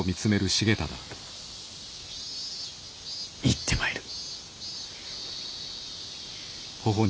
行ってまいる。